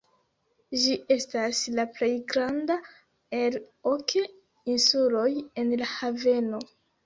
Ĝi estas la plej granda el ok insuloj en la haveno.